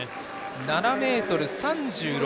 ７ｍ３６。